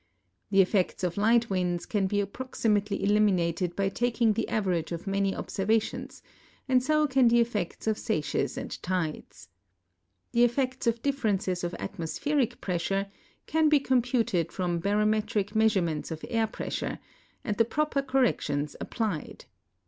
The effects of light winds can be approximately eliminated by taking the average of many obser vations, and so can the effects of seiches and tides. The effects ,of differences of atmospheric pressure can be computed from barometric measurements of air pressure, and the proper correc tions applied.